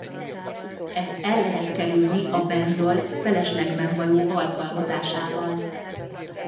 Ezt el lehet kerülni a benzol feleslegben való alkalmazásával.